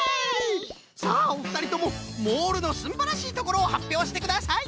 さあおふたりともモールのすんばらしいところをはっぴょうしてください！